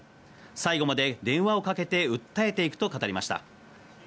最後まで電話をかけて訴えていくと語りました。